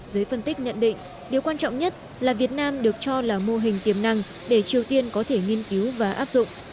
giới phân tích nhận định điều quan trọng nhất là việt nam được cho là mô hình tiềm năng để triều tiên có thể nghiên cứu và áp dụng